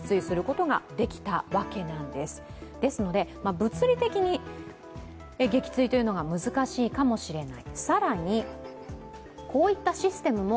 物理的に撃墜が難しいかもしれない。